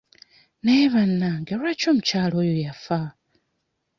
Naye bannange lwaki omukyala oyo yafa?